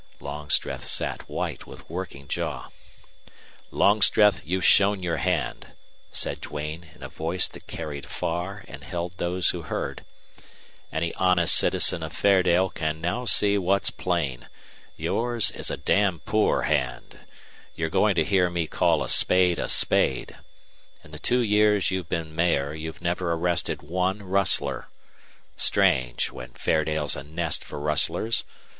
Longstreth sat white with working jaw. "Longstreth, you've shown your hand," said Duane, in a voice that carried far and held those who heard. "Any honest citizen of Fairdale can now see what's plain yours is a damn poor hand! You're going to hear me call a spade a spade. In the two years you've been Mayor you've never arrested one rustler. Strange, when Fairdale's a nest for rustlers!